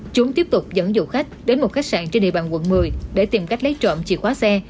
chúng tiếp tục dẫn dụ khách đến một khách sạn trên địa bàn quận một mươi để tìm cách lấy trộm chìa khóa xe